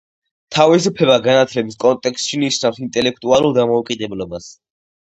თავისუფლება განათლების კონტექსტში ნიშნავს ინტელექტუალურ დამოუკიდებლობას